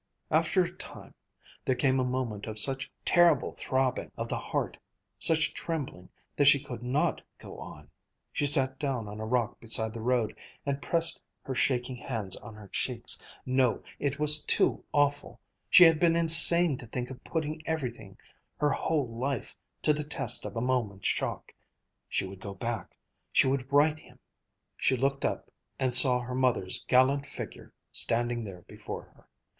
After a time, there came a moment of such terrible throbbing of the heart, such trembling, that she could not go on. She sat down on a rock beside the road and pressed her shaking hands on her cheeks. No, it was too awful. She had been insane to think of putting everything, her whole life, to the test of a moment's shock. She would go back. She would write him.... She looked up and saw her mother's gallant figure standing there before her.